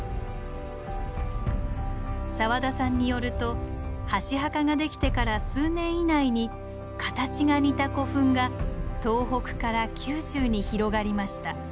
澤田さんによると箸墓ができてから数年以内に形が似た古墳が東北から九州に広がりました。